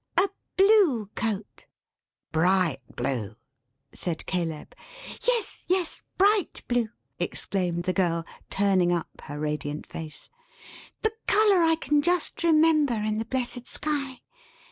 A blue coat" "Bright blue," said Caleb. "Yes, yes! Bright blue!" exclaimed the girl, turning up her radiant face; "the colour I can just remember in the blessed sky!